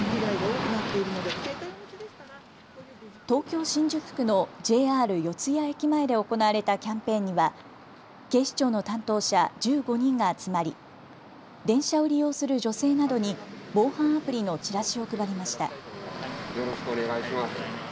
東京新宿区のＪＲ四ツ谷駅前で行われたキャンペーンには警視庁の担当者１５人が集まり電車を利用する女性などに防犯アプリのチラシを配りました。